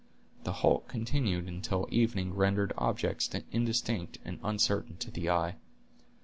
The halt continued until evening rendered objects indistinct and uncertain to the eye.